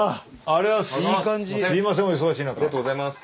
ありがとうございます。